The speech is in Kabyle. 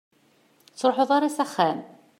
Ur tettruḥuḍ ara s axxam?